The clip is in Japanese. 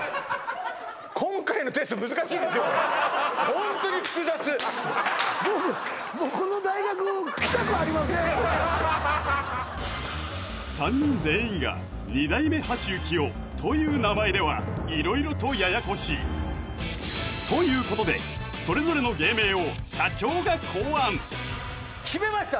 ホントに複雑３人全員が「二代目橋幸夫」という名前では色々とややこしいということで決めました